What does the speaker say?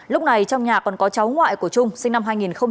lúc này trong nhà còn có cháu ngoại của trung sinh năm hai nghìn một mươi